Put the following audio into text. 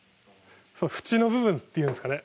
縁の部分っていうんですかね